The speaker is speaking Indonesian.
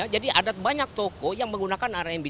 jadi ada banyak toko yang menggunakan rmb